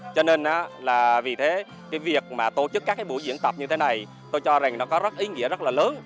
cho nên là vì thế cái việc mà tổ chức các cái buổi diễn tập như thế này tôi cho rằng nó có rất ý nghĩa rất là lớn